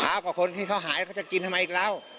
ขอความว่าขอคนที่เขาหายก็จะกินทำไมอีกแล้ว